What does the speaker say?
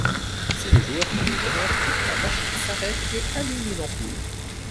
Si le joueur commet une erreur, la machine s’arrête et allume une ampoule.